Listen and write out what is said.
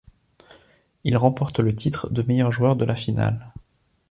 Il remporte le titre de meilleur joueur de la finale.